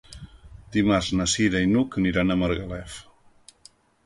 Dimarts na Cira i n'Hug aniran a Margalef.